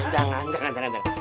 jangan jangan jangan